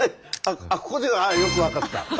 あここよく分かった。